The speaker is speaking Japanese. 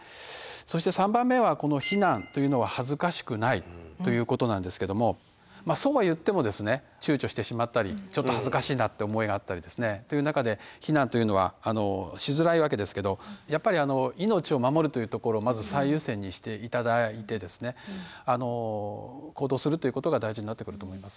そして３番目はこの「避難というのは恥ずかしくない」ということなんですけどもそうは言ってもですねちゅうちょしてしまったりちょっと恥ずかしいなって思いがあったりですねという中で避難というのはしづらいわけですけどやっぱり行動するということが大事になってくると思います。